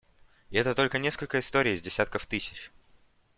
И это только несколько историй из десятков тысяч.